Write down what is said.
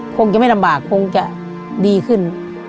คงจะไม่ลำบากคงจะดีขึ้น